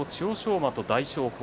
馬と大翔鵬。